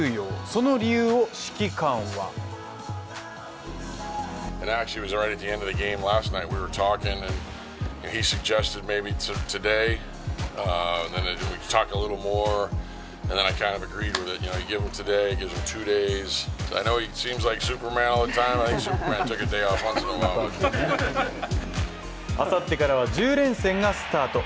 その理由を指揮官はあさってからは１０連戦がスタート。